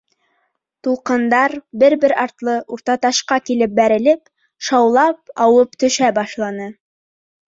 Тулҡындар, бер-бер артлы Уртаташҡа килеп бәрелеп, шаулап ауып төшә башланы.